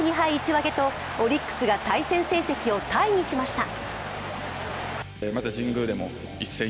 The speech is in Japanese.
１分けとオリックスが対戦成績をタイにしました。